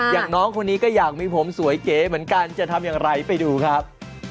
อย่างน้องคนนี้ก็อยากมีผมสวยเก๋เหมือนกันจะทำอย่างไรไปดูครับ